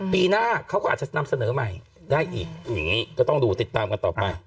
ปีหน้าเขาก็อาจจะนำเสนอใหม่ได้อีกอย่างนี้ก็ต้องดูติดตามกันต่อไป